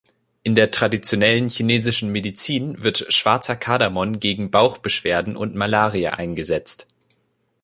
In der traditionellen chinesischen Medizin wird schwarzer Kardamom gegen Bauchbeschwerden und Malaria eingesetzt.